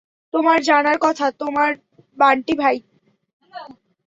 তোমার জানার কথা, তোমার বান্টি-ভাই।